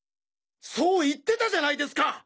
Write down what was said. そう言ってたじゃないですか！